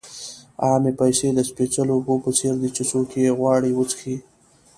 عامې پیسې د سپېڅلو اوبو په څېر دي چې څوک یې غواړي وڅښي.